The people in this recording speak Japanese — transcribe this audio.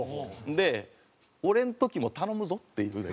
で俺の時も頼むぞっていうね